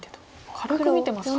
軽く見てますか。